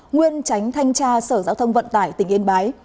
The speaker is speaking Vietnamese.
nguyên tránh thanh tra sở giao thông vận tải tỉnh yên bái